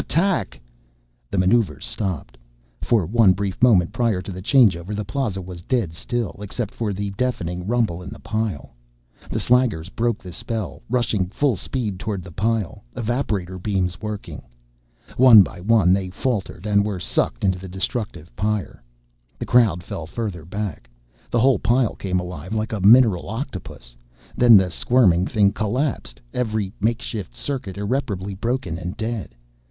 "Attack!" The maneuvers stopped. For one brief moment prior to changeover the Plaza was dead still, except for the deafening rumble in the pile. The slaggers broke the spell, rushing full speed toward the pile, evaporator beams working. One by one they faltered and were sucked into the destructive pyre. The crowd fell further back. The whole pile came alive like a mineral octopus. Then the squirming thing collapsed, every makeshift circuit irreparably broken and dead.